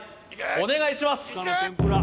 お願いします